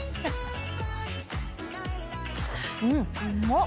うん、うまっ。